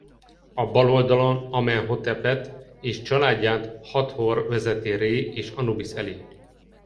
A bal oldalon Amenhotepet és családját Hathor vezeti Ré és Anubisz elé.